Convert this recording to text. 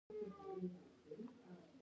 ننګرهار د افغانستان د شنو سیمو ښکلا ده.